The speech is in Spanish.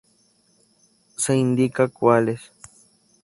Se indica cuáles.